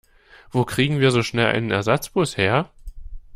Wo kriegen wir so schnell einen Ersatzbus her?